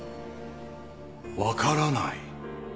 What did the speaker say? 分からない？